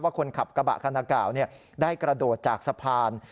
คนขับกระบะคันนากล่าวได้กระโดดจากสะพาน